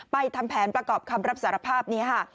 ไปทำแผนประกอบคำรับศาลภาพ